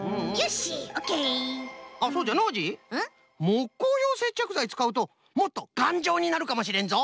もっこうようせっちゃくざいつかうともっとがんじょうになるかもしれんぞ。